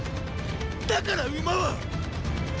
だから馬はっ！